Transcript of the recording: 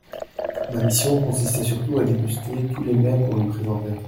Ma mission consistait surtout à déguster tous les mets qu'on lui présentait.